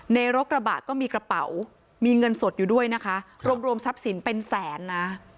ในโรครบากก็มีกระเบามีเงินสดอยู่ด้วยนะคะรวมรวมซับสินเป็นแสนนะ